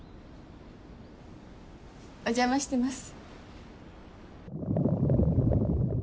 お邪魔してます。